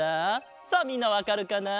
さあみんなわかるかな？